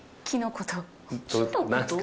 木のこと。